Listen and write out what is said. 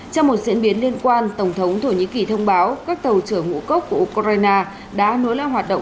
trong một diễn biến liên quan tổng thống thổ nhĩ kỳ thông báo các tàu chở ngũ cốc của ukraine đã nối lao hoạt động